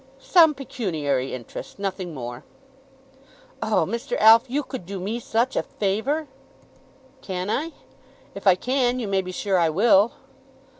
"Some pecuniary interest; nothing more." "Oh, Mr. Alf, you could do me such a favour!" "Can I? If I can, you may be sure I will."